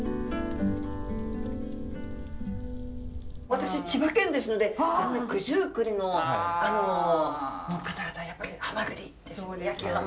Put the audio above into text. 私千葉県ですので九十九里の方々はやっぱりはまぐりですね。